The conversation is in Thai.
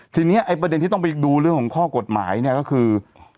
ทีนี้ไอ้ประเด็นที่ต้องไปดูเรื่องของข้อกฎหมายเนี่ยก็คือ